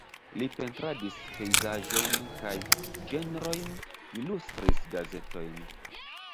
Li pentradis pejzaĝojn kaj ĝenrojn, ilustris gazetojn.